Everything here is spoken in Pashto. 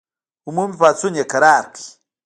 عمومي پاڅون یې کرار کړ.